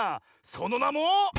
そのなも。